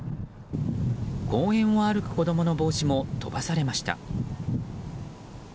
公園を歩く子供の帽子も飛ばされました。